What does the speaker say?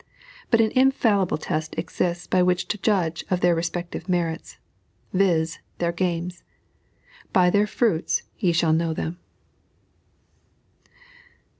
But an infallible test exists by which to judge of their respective merits viz. their games. "By their fruits ye shall know them."